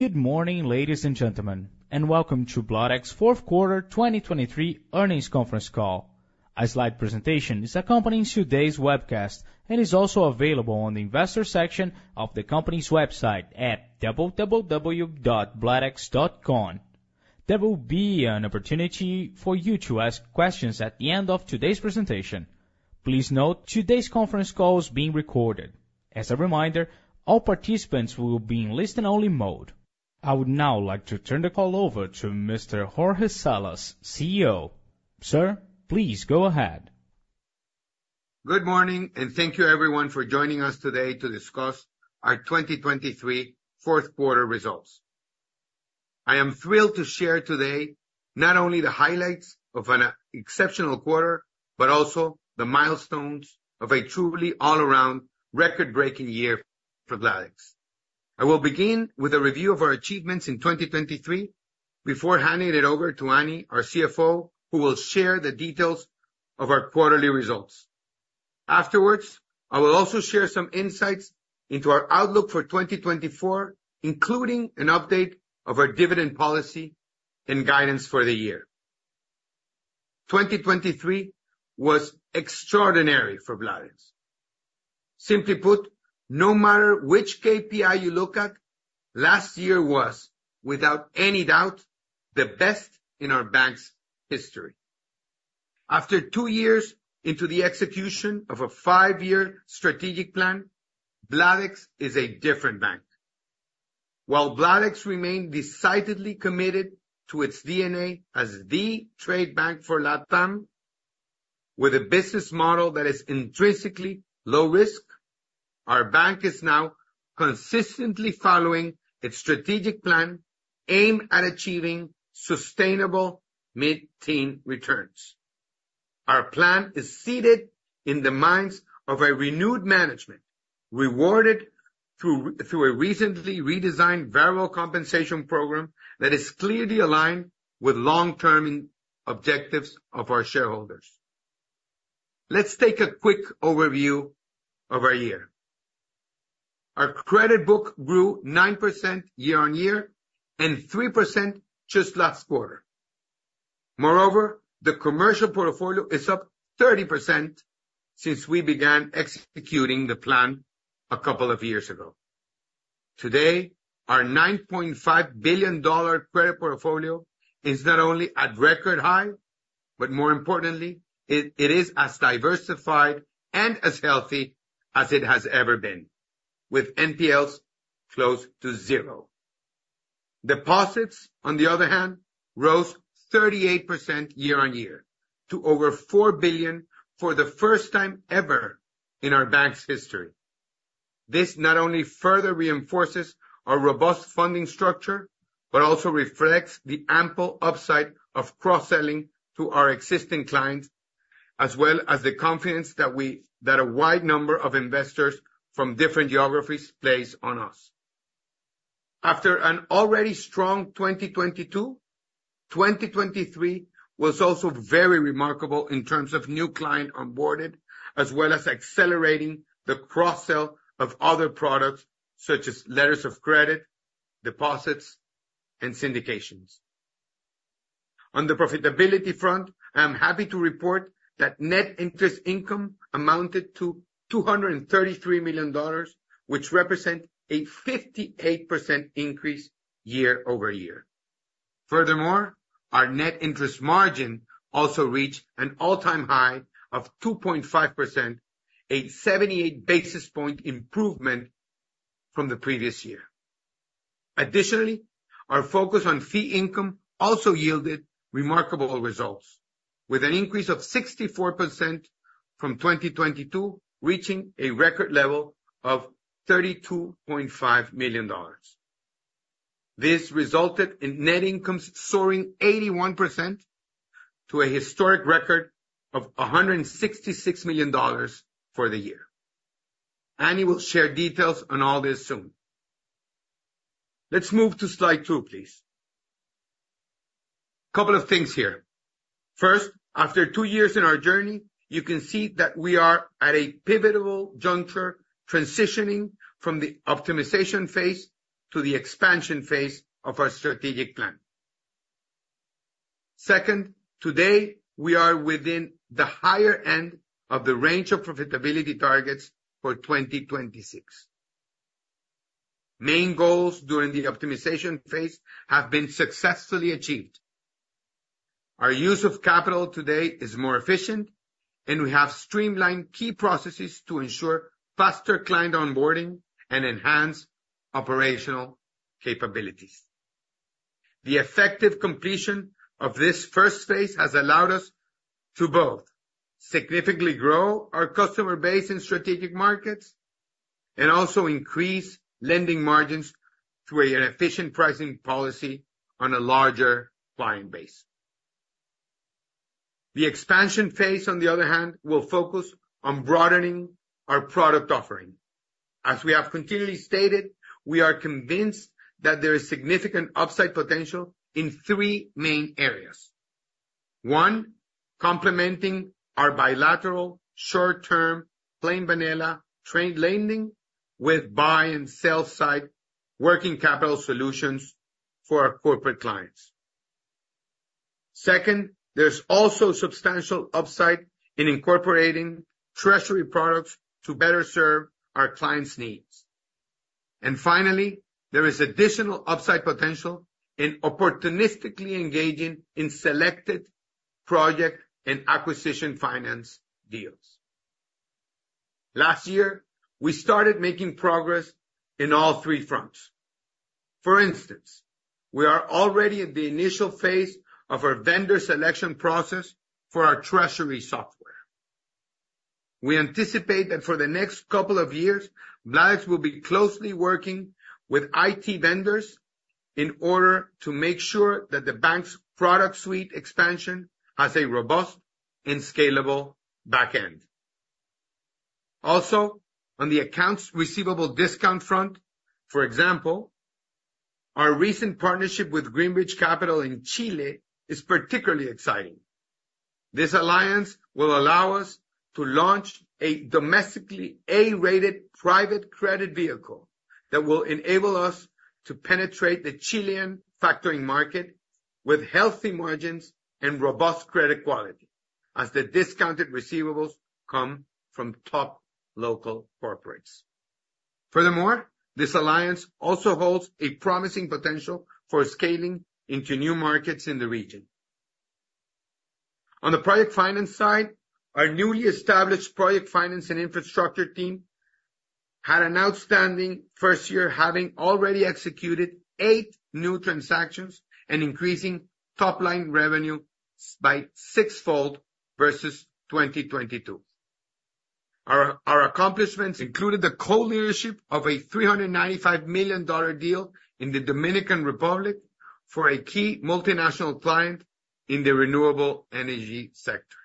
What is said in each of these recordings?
Good morning, ladies and gentlemen, and welcome to Bladex's 4th Quarter 2023 Earnings Conference Call. A slide presentation is accompanying today's webcast and is also available on the investor section of the company's website at www.bladex.com. There will be an opportunity for you to ask questions at the end of today's presentation. Please note today's conference call is being recorded. As a reminder, all participants will be in listen-only mode. I would now like to turn the call over to Mr. Jorge Salas, CEO. Sir, please go ahead. Good morning, and thank you everyone for joining us today to discuss our 2023 4th quarter results. I am thrilled to share today not only the highlights of an exceptional quarter but also the milestones of a truly all-around record-breaking year for Bladex. I will begin with a review of our achievements in 2023 before handing it over to Annie, our CFO, who will share the details of our quarterly results. Afterwards, I will also share some insights into our outlook for 2024, including an update of our dividend policy and guidance for the year. 2023 was extraordinary for Bladex. Simply put, no matter which KPI you look at, last year was, without any doubt, the best in our bank's history. After two years into the execution of a five-year strategic plan, Bladex is a different bank. While Bladex remained decidedly committed to its DNA as the trade bank for LatAm, with a business model that is intrinsically low-risk, our bank is now consistently following its strategic plan aimed at achieving sustainable mid-teens returns. Our plan is seated in the minds of a renewed management, rewarded through a recently redesigned variable compensation program that is clearly aligned with long-term objectives of our shareholders. Let's take a quick overview of our year. Our credit book grew 9% year-on-year and 3% just last quarter. Moreover, the commercial portfolio is up 30% since we began executing the plan a couple of years ago. Today, our $9.5 billion credit portfolio is not only at record high, but more importantly, it is as diversified and as healthy as it has ever been, with NPLs close to zero. Deposits, on the other hand, rose 38% year-on-year, to over $4 billion for the first time ever in our bank's history. This not only further reinforces our robust funding structure but also reflects the ample upside of cross-selling to our existing clients, as well as the confidence that a wide number of investors from different geographies place on us. After an already strong 2022, 2023 was also very remarkable in terms of new client onboarding, as well as accelerating the cross-sell of other products such as letters of credit, deposits, and syndications. On the profitability front, I am happy to report that net interest income amounted to $233 million, which represents a 58% increase year-over-year. Furthermore, our net interest margin also reached an all-time high of 2.5%, a 78 basis point improvement from the previous year. Additionally, our focus on fee income also yielded remarkable results, with an increase of 64% from 2022, reaching a record level of $32.5 million. This resulted in net incomes soaring 81% to a historic record of $166 million for the year. Annie will share details on all this soon. Let's move to slide 2, please. A couple of things here. First, after two years in our journey, you can see that we are at a pivotal juncture, transitioning from the optimization phase to the expansion phase of our strategic plan. Second, today we are within the higher end of the range of profitability targets for 2026. Main goals during the optimization phase have been successfully achieved. Our use of capital today is more efficient, and we have streamlined key processes to ensure faster client onboarding and enhanced operational capabilities. The effective completion of this first phase has allowed us to both significantly grow our customer base in strategic markets and also increase lending margins through an efficient pricing policy on a larger client base. The expansion phase, on the other hand, will focus on broadening our product offering. As we have continually stated, we are convinced that there is significant upside potential in three main areas. One, complementing our bilateral short-term plain vanilla trade lending with buy-and-sell-side working capital solutions for our corporate clients. Second, there's also substantial upside in incorporating treasury products to better serve our clients' needs. And finally, there is additional upside potential in opportunistically engaging in selected project and acquisition finance deals. Last year, we started making progress in all three fronts. For instance, we are already at the initial phase of our vendor selection process for our treasury software. We anticipate that for the next couple of years, Bladex will be closely working with IT vendors in order to make sure that the bank's product suite expansion has a robust and scalable backend. Also, on the accounts receivable discount front, for example, our recent partnership with Greenbridge Capital in Chile is particularly exciting. This alliance will allow us to launch a domestically A-rated private credit vehicle that will enable us to penetrate the Chilean factoring market with healthy margins and robust credit quality, as the discounted receivables come from top local corporates. Furthermore, this alliance also holds a promising potential for scaling into new markets in the region. On the project finance side, our newly established project finance and infrastructure team had an outstanding first year, having already executed eight new transactions and increasing top-line revenue by six-fold versus 2022. Our accomplishments included the co-leadership of a $395 million deal in the Dominican Republic for a key multinational client in the renewable energy sector.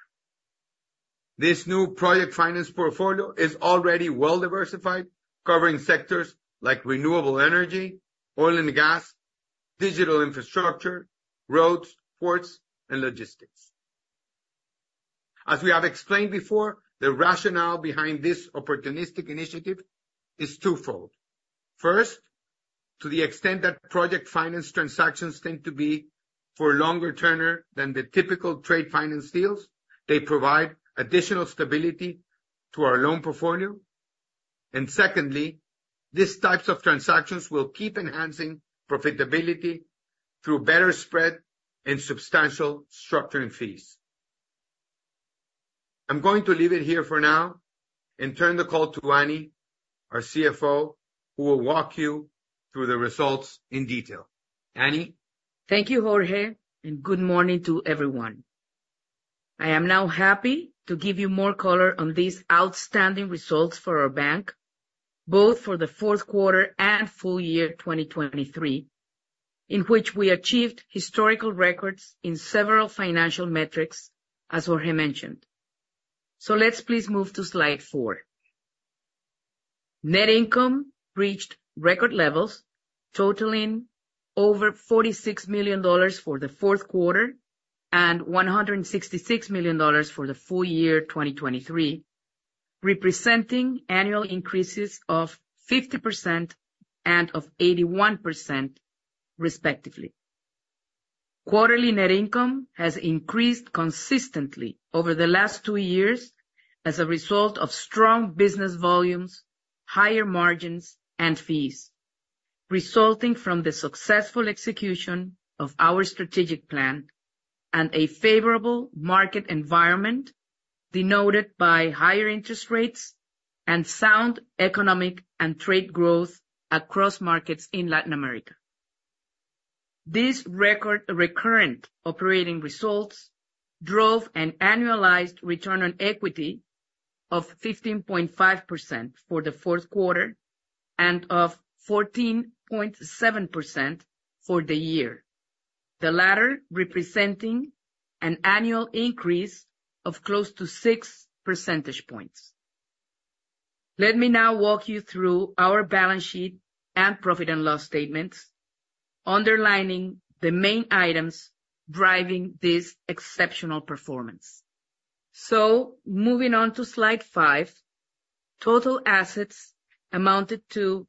This new project finance portfolio is already well-diversified, covering sectors like renewable energy, oil and gas, digital infrastructure, roads, ports, and logistics. As we have explained before, the rationale behind this opportunistic initiative is twofold. First, to the extent that project finance transactions tend to be for a longer turnover than the typical trade finance deals, they provide additional stability to our loan portfolio. And secondly, these types of transactions will keep enhancing profitability through better spread and substantial structuring fees. I'm going to leave it here for now and turn the call to Annie, our CFO, who will walk you through the results in detail. Annie? Thank you, Jorge, and good morning to everyone. I am now happy to give you more color on these outstanding results for our bank, both for the 4th quarter and full year 2023, in which we achieved historical records in several financial metrics, as Jorge mentioned. Let's please move to slide 4. Net income reached record levels, totaling over $46 million for the 4th quarter and $166 million for the full year 2023, representing annual increases of 50% and of 81%, respectively. Quarterly net income has increased consistently over the last two years as a result of strong business volumes, higher margins, and fees, resulting from the successful execution of our strategic plan and a favorable market environment denoted by higher interest rates and sound economic and trade growth across markets in Latin America. These recurrent operating results drove an annualized return on equity of 15.5% for the 4th quarter and of 14.7% for the year, the latter representing an annual increase of close to 6 percentage points. Let me now walk you through our balance sheet and profit and loss statements, underlining the main items driving this exceptional performance. So, moving on to slide 5, total assets amounted to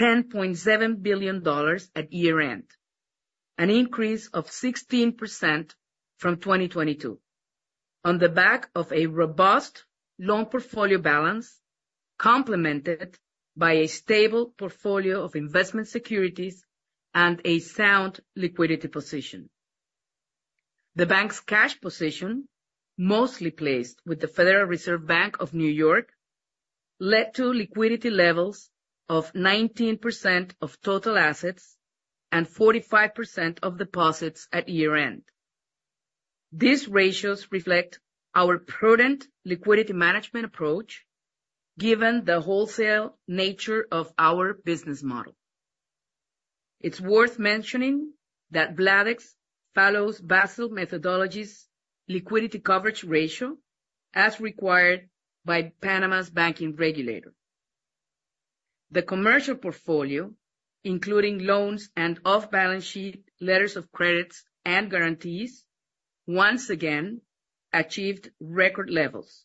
$10.7 billion at year-end, an increase of 16% from 2022, on the back of a robust loan portfolio balance complemented by a stable portfolio of investment securities and a sound liquidity position. The bank's cash position, mostly placed with the Federal Reserve Bank of New York, led to liquidity levels of 19% of total assets and 45% of deposits at year-end. These ratios reflect our prudent liquidity management approach, given the wholesale nature of our business model. It's worth mentioning that Bladex follows Basel III's liquidity coverage ratio, as required by Panama's banking regulator. The commercial portfolio, including loans and off-balance sheet letters of credit and guarantees, once again achieved record levels,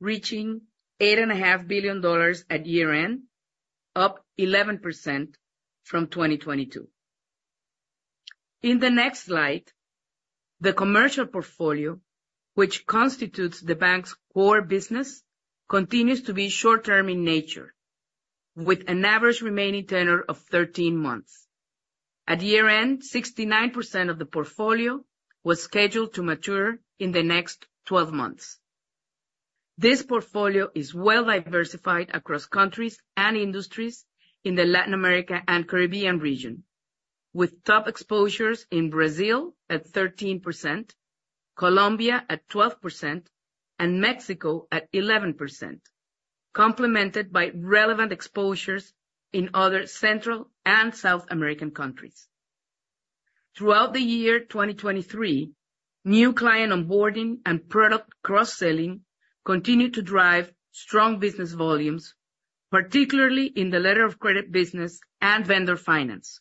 reaching $8.5 billion at year-end, up 11% from 2022. In the next slide, the commercial portfolio, which constitutes the bank's core business, continues to be short-term in nature, with an average remaining tenor of 13 months. At year-end, 69% of the portfolio was scheduled to mature in the next 12 months. This portfolio is well-diversified across countries and industries in the Latin America and Caribbean region, with top exposures in Brazil at 13%, Colombia at 12%, and Mexico at 11%, complemented by relevant exposures in other Central and South American countries. Throughout the year 2023, new client onboarding and product cross-selling continued to drive strong business volumes, particularly in the letter of credit business and vendor finance,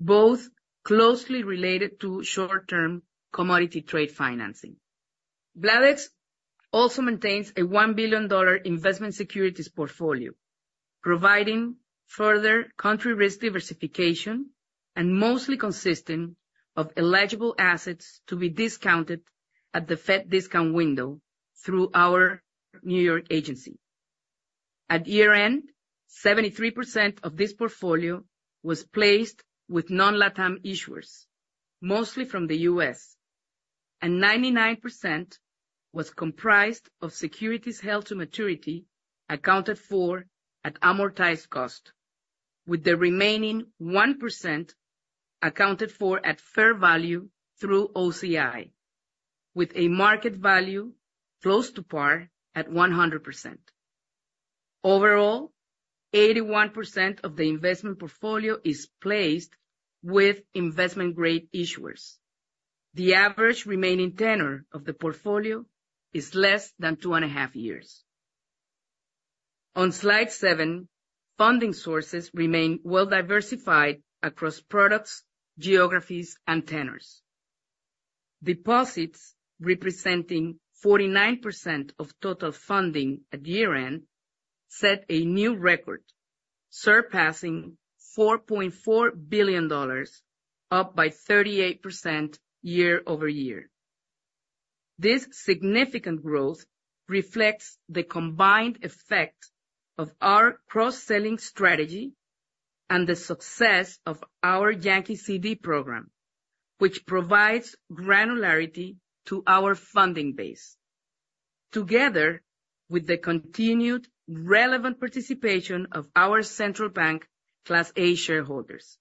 both closely related to short-term commodity trade financing. Bladex also maintains a $1 billion investment securities portfolio, providing further country-risk diversification and mostly consisting of eligible assets to be discounted at the Fed discount window through our New York agency. At year-end, 73% of this portfolio was placed with non-LatAm issuers, mostly from the U.S., and 99% was comprised of securities held to maturity, accounted for at amortized cost, with the remaining 1% accounted for at fair value through OCI, with a market value close to par at 100%. Overall, 81% of the investment portfolio is placed with investment-grade issuers. The average remaining tenor of the portfolio is less than 2.5 years. On slide 7, funding sources remain well-diversified across products, geographies, and tenors. Deposits, representing 49% of total funding at year-end, set a new record, surpassing $4.4 billion, up by 38% year-over-year. This significant growth reflects the combined effect of our cross-selling strategy and the success of our Yankee CD program, which provides granularity to our funding base, together with the continued relevant participation of our central bank Class A shareholders.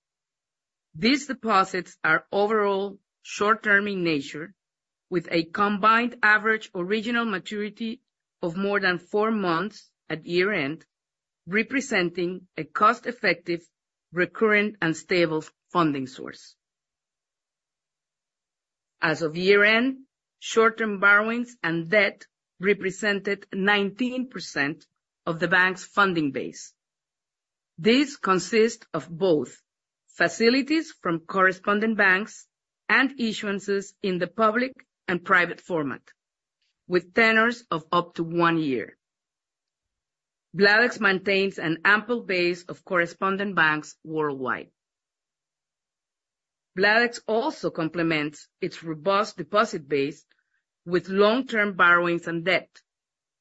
These deposits are overall short-term in nature, with a combined average original maturity of more than four months at year-end, representing a cost-effective, recurrent, and stable funding source. As of year-end, short-term borrowings and debt represented 19% of the bank's funding base. These consist of both facilities from correspondent banks and issuances in the public and private format, with tenors of up to one year. Bladex maintains an ample base of correspondent banks worldwide. Bladex also complements its robust deposit base with long-term borrowings and debt,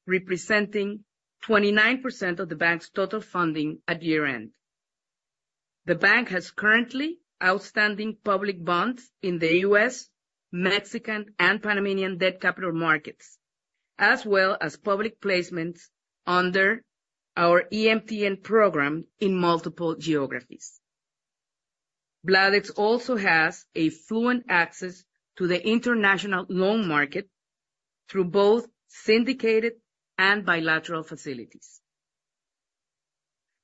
representing 29% of the bank's total funding at year-end. The bank has currently outstanding public bonds in the U.S., Mexican, and Panamanian debt capital markets, as well as public placements under our EMTN Program in multiple geographies. Bladex also has a fluid access to the international loan market through both syndicated and bilateral facilities.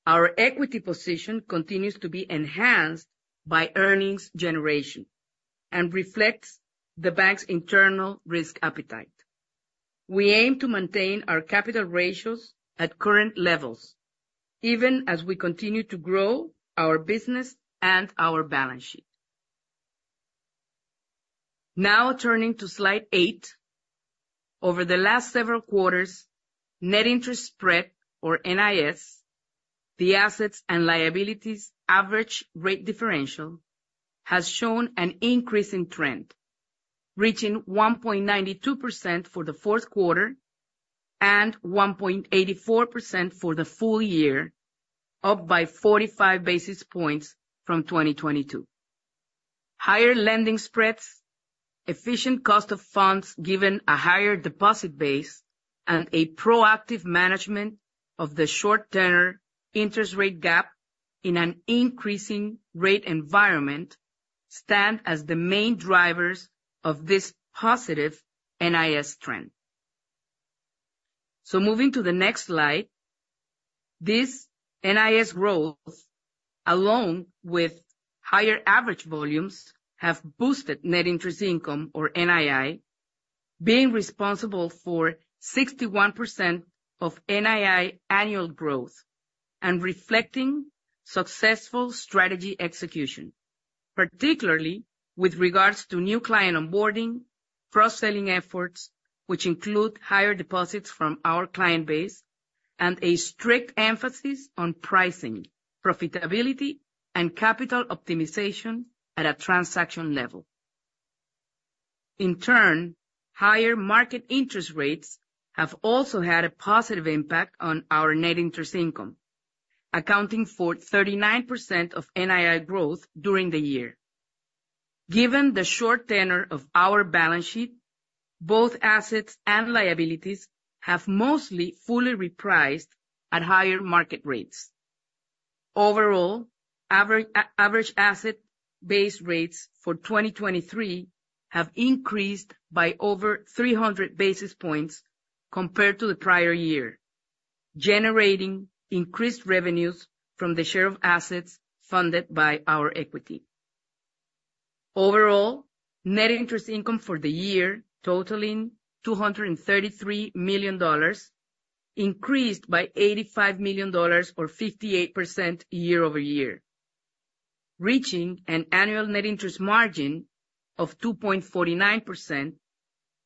Our equity position continues to be enhanced by earnings generation and reflects the bank's internal risk appetite. We aim to maintain our capital ratios at current levels, even as we continue to grow our business and our balance sheet. Now turning to slide 8, over the last several quarters, net interest spread, or NIS, the assets and liabilities average rate differential, has shown an increasing trend, reaching 1.92% for the 4th quarter and 1.84% for the full year, up by 45 basis points from 2022. Higher lending spreads, efficient cost of funds given a higher deposit base, and a proactive management of the short-tenor interest rate gap in an increasing rate environment stand as the main drivers of this positive NIS trend. So moving to the next slide, these NIS growths, along with higher average volumes, have boosted net interest income, or NII, being responsible for 61% of NII annual growth and reflecting successful strategy execution, particularly with regards to new client onboarding, cross-selling efforts, which include higher deposits from our client base, and a strict emphasis on pricing, profitability, and capital optimization at a transaction level. In turn, higher market interest rates have also had a positive impact on our net interest income, accounting for 39% of NII growth during the year. Given the short tenor of our balance sheet, both assets and liabilities have mostly fully repriced at higher market rates. Overall, average asset-based rates for 2023 have increased by over 300 basis points compared to the prior year, generating increased revenues from the share of assets funded by our equity. Overall, net interest income for the year, totaling $233 million, increased by $85 million, or 58% year-over-year, reaching an annual net interest margin of 2.49%,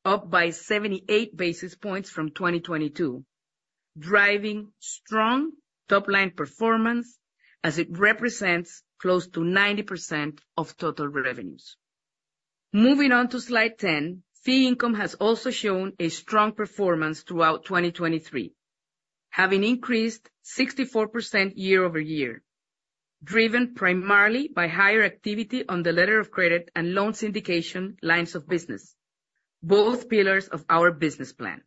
up by 78 basis points from 2022, driving strong top-line performance as it represents close to 90% of total revenues. Moving on to slide 10, fee income has also shown a strong performance throughout 2023, having increased 64% year-over-year, driven primarily by higher activity on the letter of credit and loan syndication lines of business, both pillars of our business plan.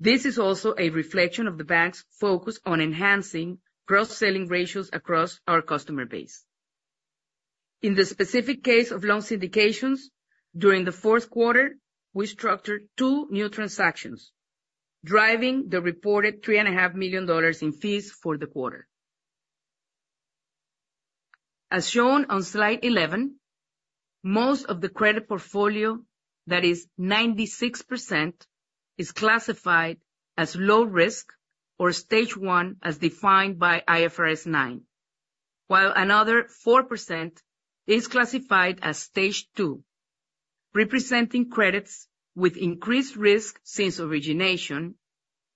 This is also a reflection of the bank's focus on enhancing cross-selling ratios across our customer base. In the specific case of loan syndications, during the 4th quarter, we structured two new transactions, driving the reported $3.5 million in fees for the quarter. As shown on slide 11, most of the credit portfolio, that is 96%, is classified as low risk, or Stage 1, as defined by IFRS 9, while another 4% is classified as Stage 2, representing credits with increased risk since origination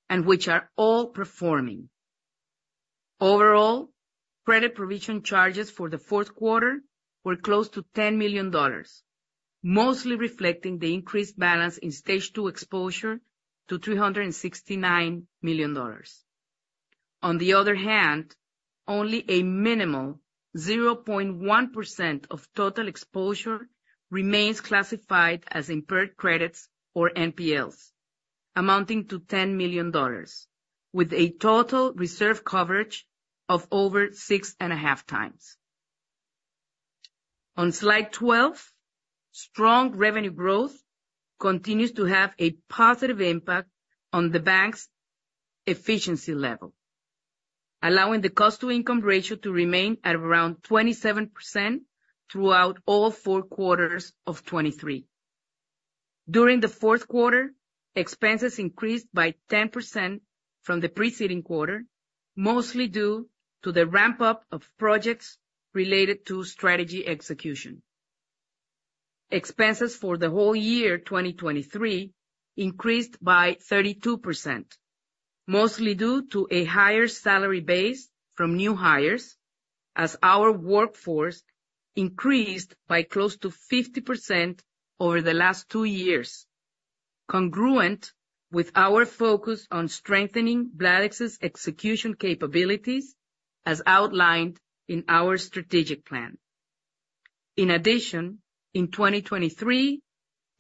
and which are all performing. Overall, credit provision charges for the 4th quarter were close to $10 million, mostly reflecting the increased balance in Stage 2 exposure to $369 million. On the other hand, only a minimal 0.1% of total exposure remains classified as impaired credits, or NPLs, amounting to $10 million, with a total reserve coverage of over 6.5x. On slide 12, strong revenue growth continues to have a positive impact on the bank's efficiency level, allowing the cost-to-income ratio to remain at around 27% throughout all four quarters of 2023. During the 4th quarter, expenses increased by 10% from the preceding quarter, mostly due to the ramp-up of projects related to strategy execution. Expenses for the whole year 2023 increased by 32%, mostly due to a higher salary base from new hires, as our workforce increased by close to 50% over the last two years, congruent with our focus on strengthening Bladex's execution capabilities, as outlined in our strategic plan. In addition, in 2023,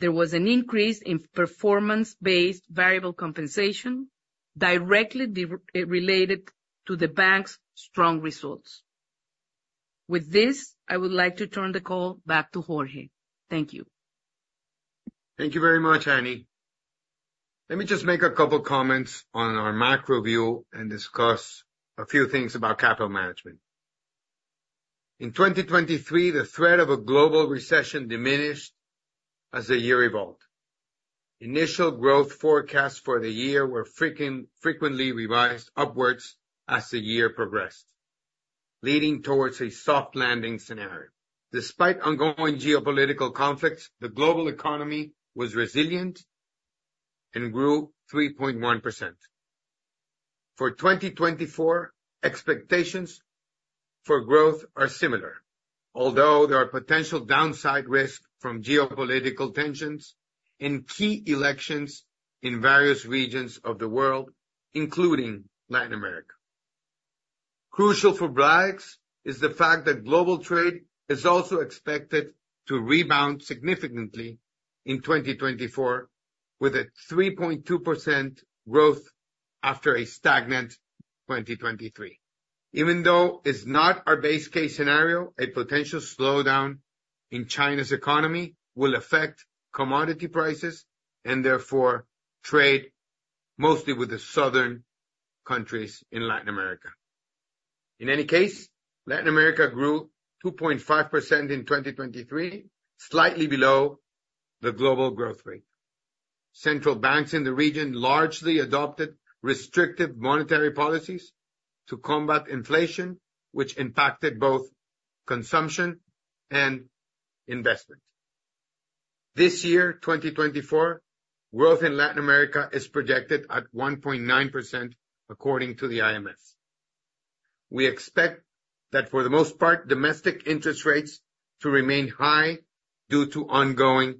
there was an increase in performance-based variable compensation, directly related to the bank's strong results. With this, I would like to turn the call back to Jorge. Thank you. Thank you very much, Annie. Let me just make a couple of comments on our macro view and discuss a few things about capital management. In 2023, the threat of a global recession diminished as the year evolved. Initial growth forecasts for the year were frequently revised upwards as the year progressed, leading towards a soft landing scenario. Despite ongoing geopolitical conflicts, the global economy was resilient and grew 3.1%. For 2024, expectations for growth are similar, although there are potential downside risks from geopolitical tensions in key elections in various regions of the world, including Latin America. Crucial for Bladex is the fact that global trade is also expected to rebound significantly in 2024, with a 3.2% growth after a stagnant 2023. Even though it's not our base case scenario, a potential slowdown in China's economy will affect commodity prices and, therefore, trade, mostly with the southern countries in Latin America. In any case, Latin America grew 2.5% in 2023, slightly below the global growth rate. Central banks in the region largely adopted restrictive monetary policies to combat inflation, which impacted both consumption and investment. This year, 2024, growth in Latin America is projected at 1.9%, according to the IMF. We expect that, for the most part, domestic interest rates to remain high due to ongoing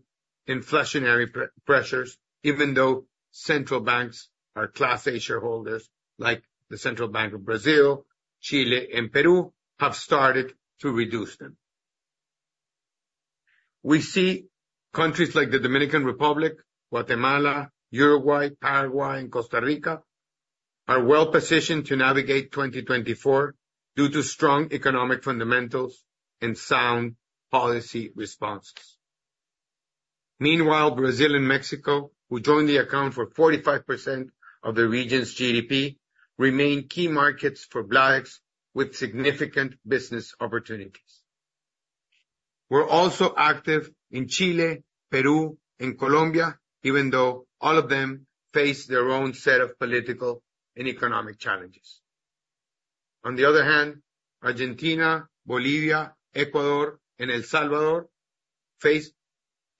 inflationary pressures, even though central banks are Class A Shareholders, like the Central Bank of Brazil, Chile, and Peru, have started to reduce them. We see countries like the Dominican Republic, Guatemala, Uruguay, Paraguay, and Costa Rica are well-positioned to navigate 2024 due to strong economic fundamentals and sound policy responses. Meanwhile, Brazil and Mexico, who join the account for 45% of the region's GDP, remain key markets for Bladex, with significant business opportunities. We're also active in Chile, Peru, and Colombia, even though all of them face their own set of political and economic challenges. On the other hand, Argentina, Bolivia, Ecuador, and El Salvador face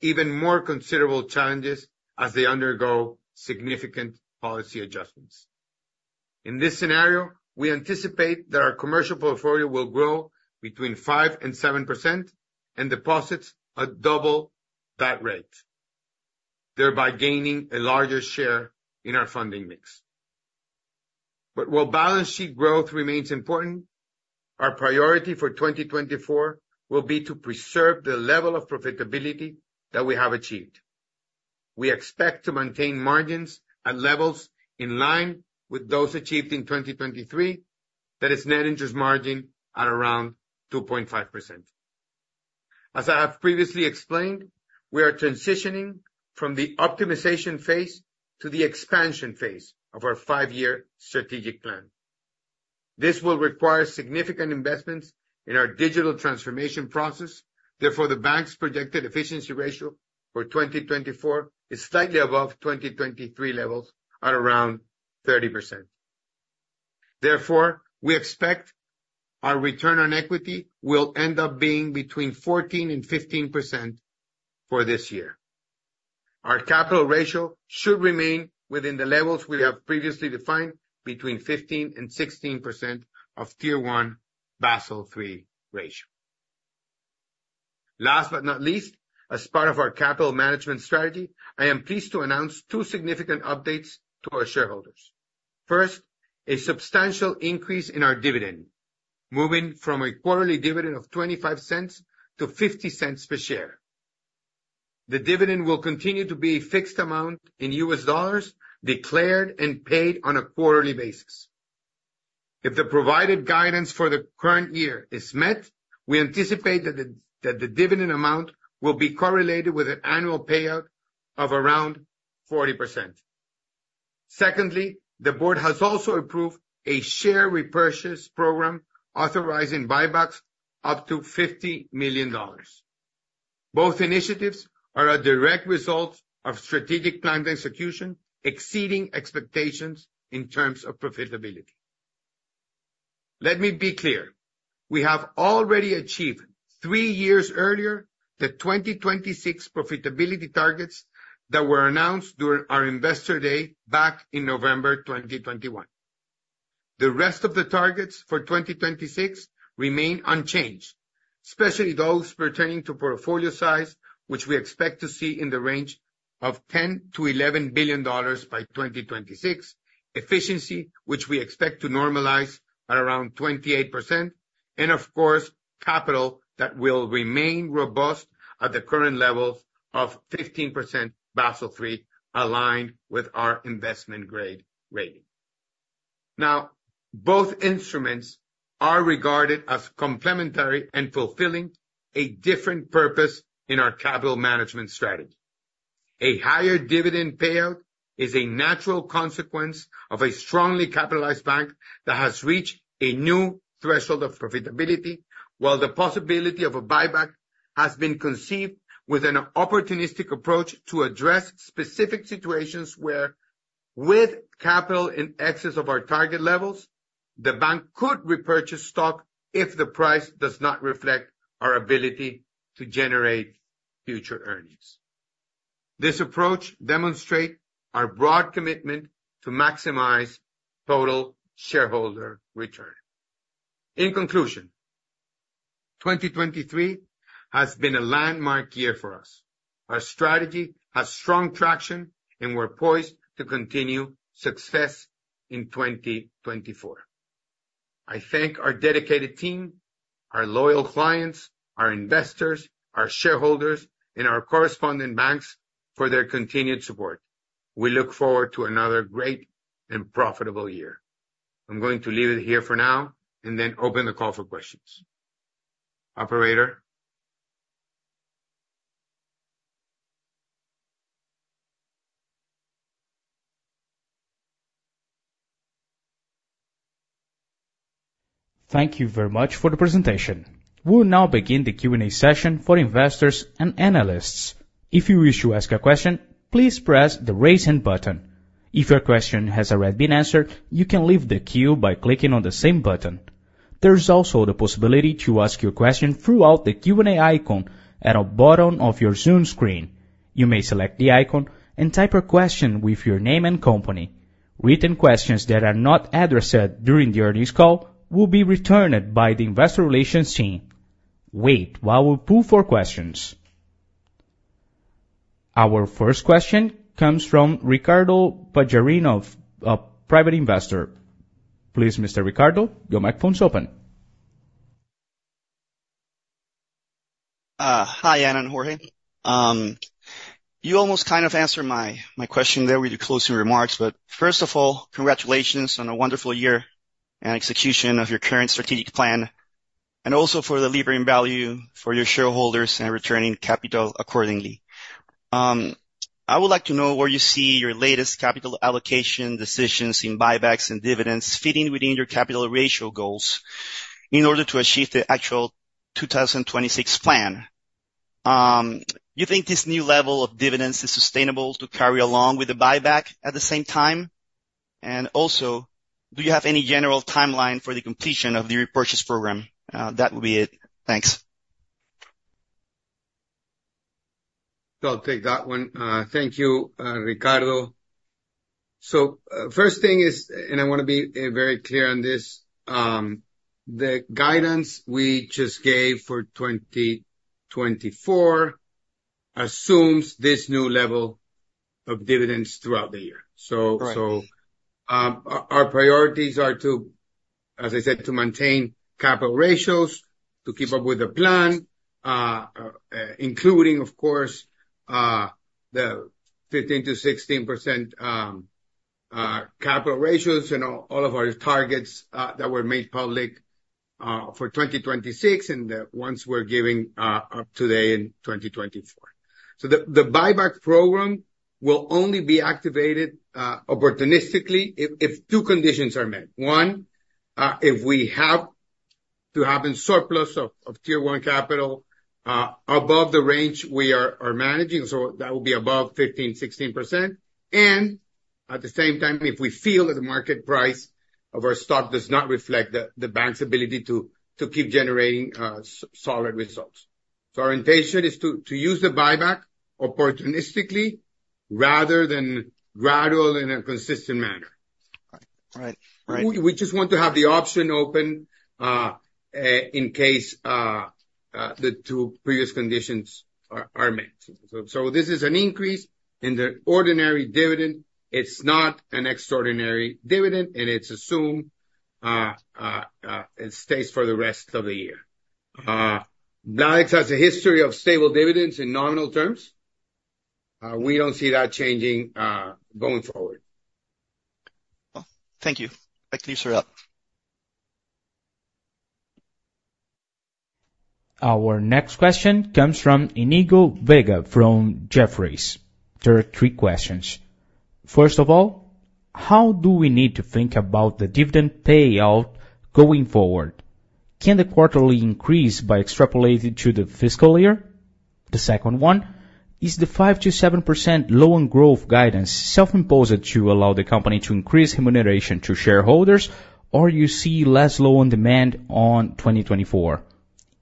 even more considerable challenges as they undergo significant policy adjustments. In this scenario, we anticipate that our commercial portfolio will grow between 5% and 7% and deposits double that rate, thereby gaining a larger share in our funding mix. But while balance sheet growth remains important, our priority for 2024 will be to preserve the level of profitability that we have achieved. We expect to maintain margins at levels in line with those achieved in 2023, that is, net interest margin at around 2.5%. As I have previously explained, we are transitioning from the optimization phase to the expansion phase of our five-year strategic plan. This will require significant investments in our digital transformation process. Therefore, the bank's projected efficiency ratio for 2024 is slightly above 2023 levels, at around 30%. Therefore, we expect our return on equity will end up being between 14% and 15% for this year. Our capital ratio should remain within the levels we have previously defined, between 15% and 16% of Tier 1 Basel III ratio. Last but not least, as part of our capital management strategy, I am pleased to announce two significant updates to our shareholders. First, a substantial increase in our dividend, moving from a quarterly dividend of $0.25-$0.50 per share. The dividend will continue to be a fixed amount in U.S. dollars, declared and paid on a quarterly basis. If the provided guidance for the current year is met, we anticipate that the dividend amount will be correlated with an annual payout of around 40%. Secondly, the board has also approved a share repurchase program authorizing buybacks up to $50 million. Both initiatives are a direct result of strategic plan execution exceeding expectations in terms of profitability. Let me be clear. We have already achieved, three years earlier, the 2026 profitability targets that were announced during our Investor Day back in November 2021. The rest of the targets for 2026 remain unchanged, especially those pertaining to portfolio size, which we expect to see in the range of $10 billion-$11 billion by 2026, efficiency, which we expect to normalize at around 28%, and, of course, capital that will remain robust at the current levels of 15% Basel III, aligned with our investment-grade rating. Now, both instruments are regarded as complementary and fulfilling a different purpose in our capital management strategy. A higher dividend payout is a natural consequence of a strongly capitalized bank that has reached a new threshold of profitability, while the possibility of a buyback has been conceived with an opportunistic approach to address specific situations where, with capital in excess of our target levels, the bank could repurchase stock if the price does not reflect our ability to generate future earnings. This approach demonstrates our broad commitment to maximize total shareholder return. In conclusion, 2023 has been a landmark year for us. Our strategy has strong traction, and we're poised to continue success in 2024. I thank our dedicated team, our loyal clients, our investors, our shareholders, and our correspondent banks for their continued support. We look forward to another great and profitable year. I'm going to leave it here for now and then open the call for questions. Operator. Thank you very much for the presentation. We will now begin the Q&A session for investors and analysts. If you wish to ask a question, please press the Raise Hand button. If your question has already been answered, you can leave the queue by clicking on the same button. There's also the possibility to ask your question throughout the Q&A icon at the bottom of your Zoom screen. You may select the icon and type a question with your name and company. Written questions that are not addressed during the earnings call will be returned by the Investor Relations team. Wait while we pull for questions. Our first question comes from Ricardo Pajarino, a private investor. Please, Mr. Ricardo, your microphone's open. Hi, Anna and Jorge. You almost kind of answered my question there with your closing remarks, but first of all, congratulations on a wonderful year and execution of your current strategic plan, and also for the delivering value for your shareholders and returning capital accordingly. I would like to know where you see your latest capital allocation decisions in buybacks and dividends fitting within your capital ratio goals in order to achieve the actual 2026 plan. Do you think this new level of dividends is sustainable to carry along with the buyback at the same time? And also, do you have any general timeline for the completion of the repurchase program? That would be it. Thanks. I'll take that one. Thank you, Ricardo. So first thing is, and I want to be very clear on this, the guidance we just gave for 2024 assumes this new level of dividends throughout the year. So our priorities are to, as I said, to maintain capital ratios, to keep up with the plan, including, of course, the 15%-16% capital ratios and all of our targets that were made public for 2026 and the ones we're giving up to today in 2024. So the buyback program will only be activated opportunistically if two conditions are met. One, if we have to have a surplus of Tier 1 Capital above the range we are managing, so that would be above 15%-16%, and at the same time, if we feel that the market price of our stock does not reflect the bank's ability to keep generating solid results. So our intention is to use the buyback opportunistically rather than gradual in a consistent manner. We just want to have the option open in case the two previous conditions are met. So this is an increase in the ordinary dividend. It's not an extraordinary dividend, and it's assumed it stays for the rest of the year. Bladex has a history of stable dividends in nominal terms. We don't see that changing going forward. Thank you. I closed her up. Our next question comes from Iñigo Vega from Jefferies. There are three questions. First of all, how do we need to think about the dividend payout going forward? Can the quarterly increase be extrapolated to the fiscal year? The second one, is the 5%-7% loan growth guidance self-imposed to allow the company to increase remuneration to shareholders, or do you see less loan demand in 2024?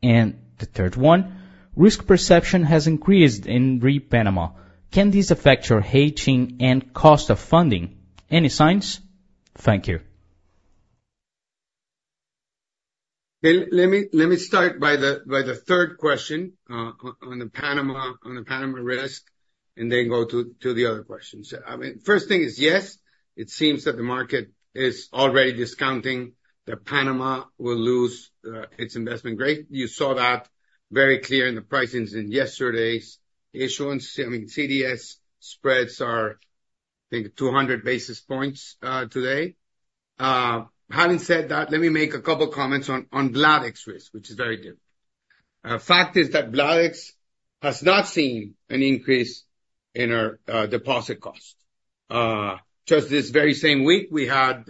And the third one, risk perception has increased in regarding Panama. Can this affect your hedging and cost of funding? Any signs? Thank you. Let me start by the third question on the Panama risk and then go to the other questions. First thing is, yes, it seems that the market is already discounting that Panama will lose its investment grade. You saw that very clear in the pricings in yesterday's issuance. I mean, CDS spreads are, I think, 200 basis points today. Having said that, let me make a couple of comments on Bladex risk, which is very different. Fact is that Bladex has not seen an increase in our deposit cost. Just this very same week, we had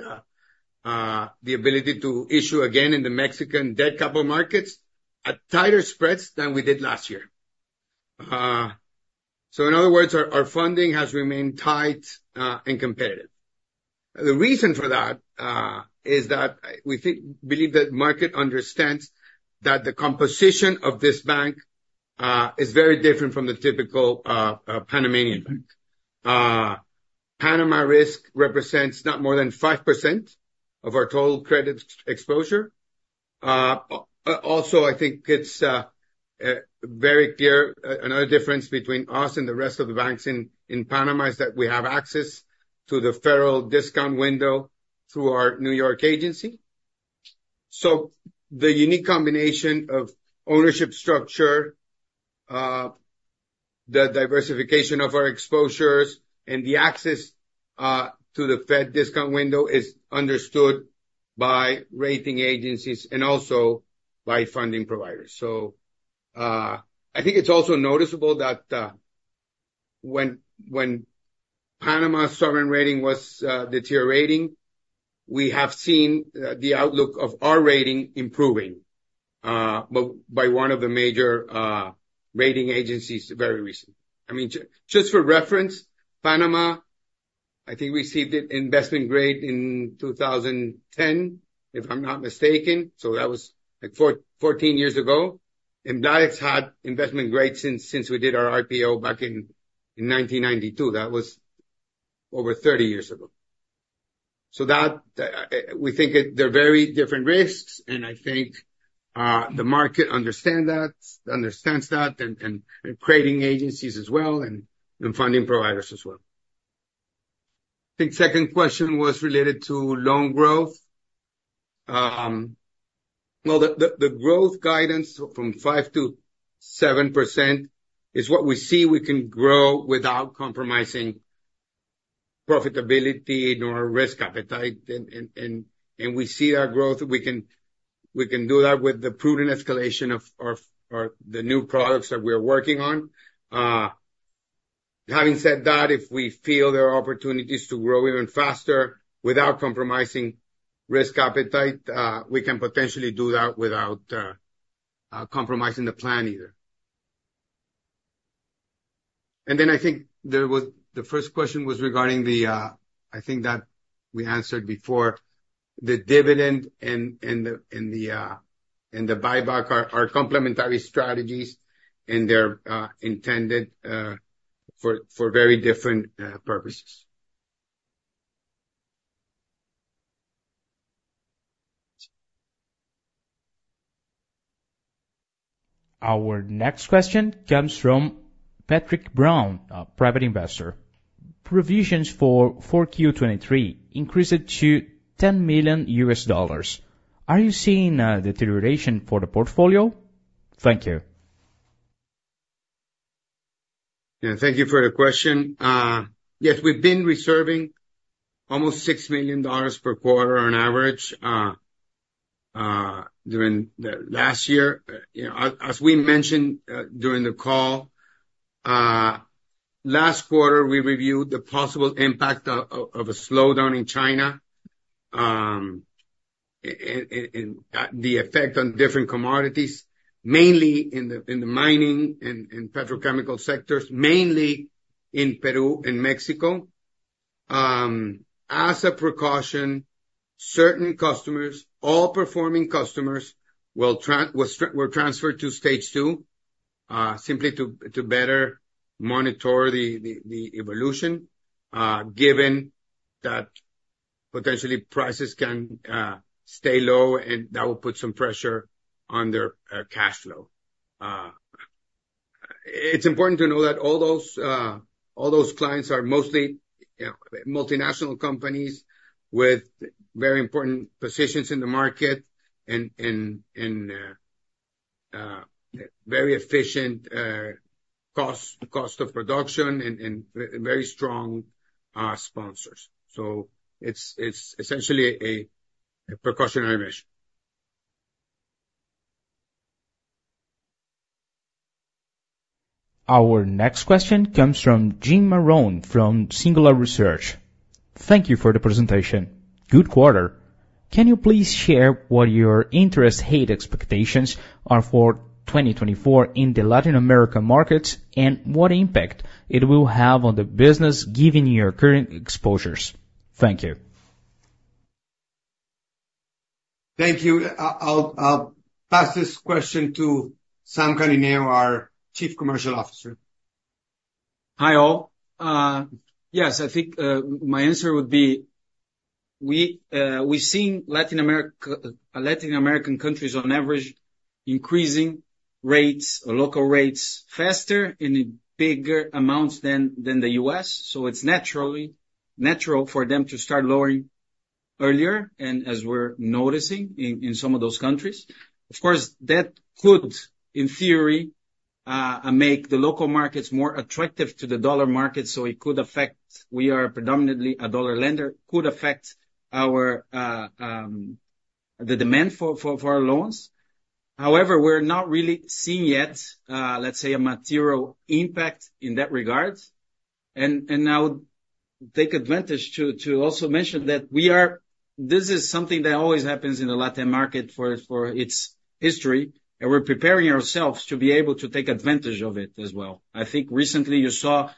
the ability to issue again in the Mexican debt capital markets at tighter spreads than we did last year. So, in other words, our funding has remained tight and competitive. The reason for that is that we believe that the market understands that the composition of this bank is very different from the typical Panamanian bank. Panama risk represents not more than 5% of our total credit exposure. Also, I think it's very clear another difference between us and the rest of the banks in Panama is that we have access to the federal discount window through our New York agency. So the unique combination of ownership structure, the diversification of our exposures, and the access to the Fed discount window is understood by rating agencies and also by funding providers. So I think it's also noticeable that when Panama's sovereign rating was deteriorating, we have seen the outlook of our rating improving by one of the major rating agencies very recently. I mean, just for reference, Panama, I think, received an investment grade in 2010, if I'm not mistaken. So that was like 14 years ago. Bladex had investment grades since we did our RPO back in 1992. That was over 30 years ago. So we think they're very different risks, and I think the market understands that and credit agencies as well and funding providers as well. I think the second question was related to loan growth. Well, the growth guidance from 5%-7% is what we see we can grow without compromising profitability nor risk appetite. And we see that growth. We can do that with the prudent escalation of the new products that we're working on. Having said that, if we feel there are opportunities to grow even faster without compromising risk appetite, we can potentially do that without compromising the plan either. And then I think the first question was regarding the I think that we answered before. The dividend and the buyback are complementary strategies, and they're intended for very different purposes. Our next question comes from Patrick Brown, a private investor. Provisions for 4Q 2023 increased to $10 million. Are you seeing a deterioration for the portfolio? Thank you. Yeah, thank you for the question. Yes, we've been reserving almost $6 million per quarter on average during the last year. As we mentioned during the call, last quarter, we reviewed the possible impact of a slowdown in China and the effect on different commodities, mainly in the mining and petrochemical sectors, mainly in Peru and Mexico. As a precaution, certain customers, all performing customers, were transferred to Stage 2 simply to better monitor the evolution given that potentially prices can stay low, and that will put some pressure on their cash flow. It's important to know that all those clients are mostly multinational companies with very important positions in the market and very efficient cost of production and very strong sponsors. So it's essentially a precautionary measure. Our next question comes from Jim Marrone from Singular Research. Thank you for the presentation. Good quarter. Can you please share what your interest rate expectations are for 2024 in the Latin American markets and what impact it will have on the business given your current exposures? Thank you. Thank you. I'll pass this question to Sam Canineu, our Chief Commercial Officer. Hi all. Yes, I think my answer would be we've seen Latin American countries, on average, increasing rates, local rates, faster in bigger amounts than the U.S. So it's natural for them to start lowering earlier, as we're noticing in some of those countries. Of course, that could, in theory, make the local markets more attractive to the dollar market, so it could affect, we are predominantly a dollar lender, could affect the demand for our loans. However, we're not really seeing yet, let's say, a material impact in that regard. And I would take advantage to also mention that this is something that always happens in the Latin market for its history, and we're preparing ourselves to be able to take advantage of it as well. I think recently you saw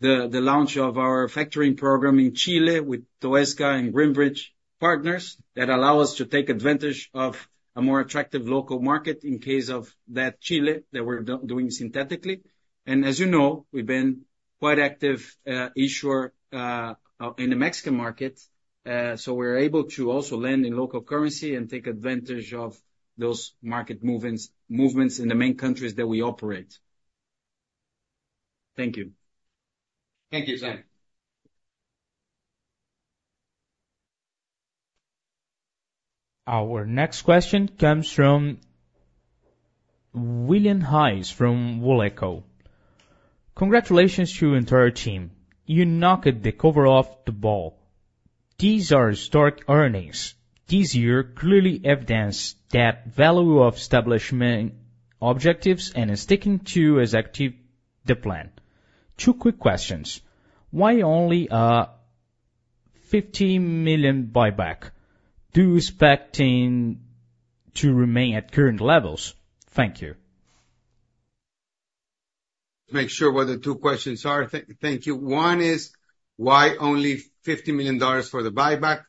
the launch of our factoring program in Chile with Toesca and Greenbridge Partners that allow us to take advantage of a more attractive local market in case of that Chile that we're doing synthetically. And as you know, we've been quite active issuer in the Mexican market, so we're able to also lend in local currency and take advantage of those market movements in the main countries that we operate. Thank you. Thank you, Sam. Our next question comes from William Hise from Woleco. Congratulations to your entire team. You knocked the cover off the ball. These are historic earnings. This year clearly evidences that value of establishment objectives and is sticking to as active the plan. Two quick questions. Why only a $50 million buyback? Do you expect to remain at current levels? Thank you. Make sure what the two questions are. Thank you. One is, why only $50 million for the buyback?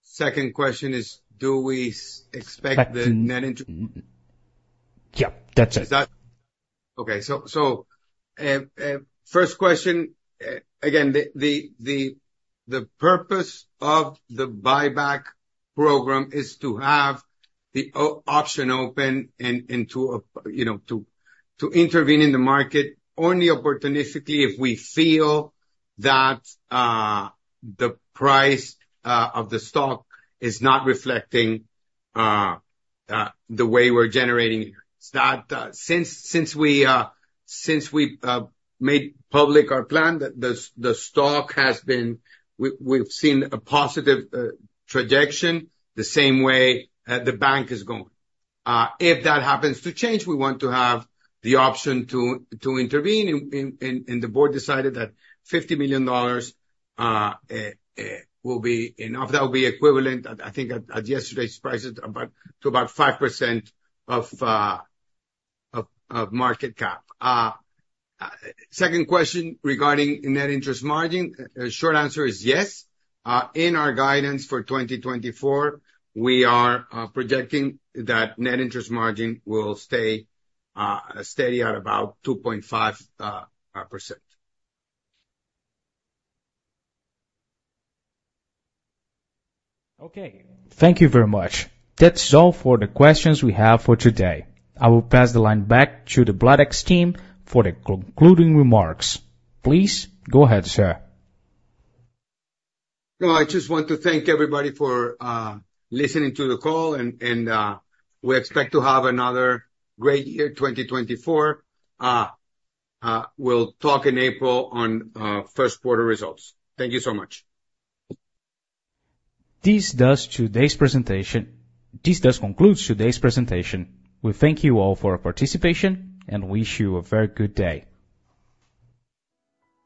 Second question is, do we expect the net interest? Yep, that's it. Okay. So first question, again, the purpose of the buyback program is to have the option open and to intervene in the market only opportunistically if we feel that the price of the stock is not reflecting the way we're generating interest. Since we made public our plan, the stock has been we've seen a positive trajectory the same way the bank is going. If that happens to change, we want to have the option to intervene. The board decided that $50 million will be enough. That will be equivalent, I think, at yesterday's prices to about 5% of market cap. Second question regarding net interest margin. Short answer is yes. In our guidance for 2024, we are projecting that net interest margin will stay steady at about 2.5%. Okay. Thank you very much. That's all for the questions we have for today. I will pass the line back to the Bladex team for the concluding remarks. Please go ahead, sir. No, I just want to thank everybody for listening to the call, and we expect to have another great year, 2024. We'll talk in April on 1st quarter results. Thank you so much. This does conclude today's presentation. We thank you all for participation, and we wish you a very good day.